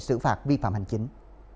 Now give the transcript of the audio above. xử phạt vi phạm hành chính